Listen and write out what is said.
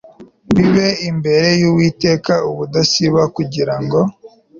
bibe imbere y uwiteka ubudasiba kugira ngo